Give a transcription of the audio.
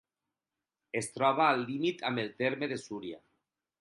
Es troba al límit amb el terme de Súria.